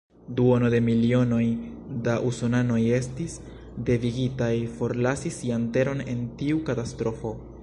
Duono de milionoj da usonanoj estis devigitaj forlasi sian teron en tiu katastrofo.